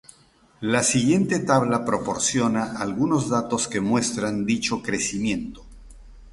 La siguiente tabla proporciona algunos datos que muestran dicho crecimiento.